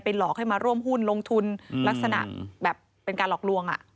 หลอกให้มาร่วมหุ้นลงทุนลักษณะแบบเป็นการหลอกลวง